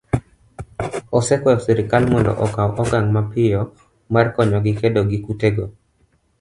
osekwayo sirkal mondo okaw okang' mapiyo mar konyogi kedo gi kutego